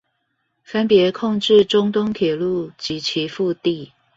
分別控制中東鐵路及其腹地